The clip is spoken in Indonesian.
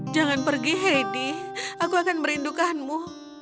jangan pergi heidi aku akan merindukanmu